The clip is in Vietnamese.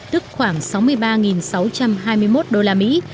tức khoảng sáu mươi ba sáu trăm hai mươi một đô la mỹ